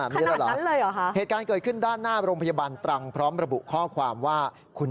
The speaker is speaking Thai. ผู้มีจิตศรัทธาสิเขาจะใส่บาทรูปไหนองค์ไหน